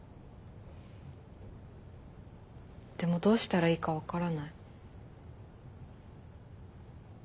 でもどうしたらいいか分からない。